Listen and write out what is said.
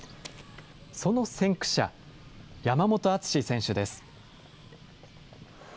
その先駆者、山本篤選手です。